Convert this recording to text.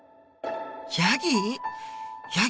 ヤギ？